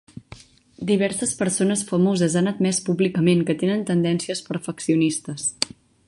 Diverses persones famoses han admès públicament que tenen tendències perfeccionistes.